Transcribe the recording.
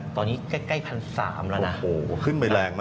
ตอนนี้แค่๑๓๐๐บาทแล้วนะ